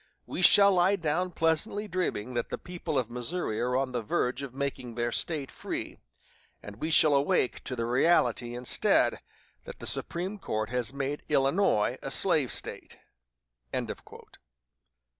We shall lie down pleasantly dreaming that the people of Missouri are on the verge of making their State free, and we shall awake to the reality, instead, that the Supreme Court has made Illinois a slave State."